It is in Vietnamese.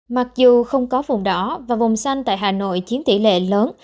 mặc dù không có vùng đỏ và vùng xanh tại hà nội chiếm tỷ lệ lớn